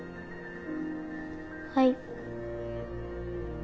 はい。